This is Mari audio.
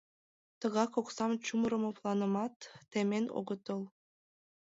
Тыгак оксам чумырымо планымат темен огытыл.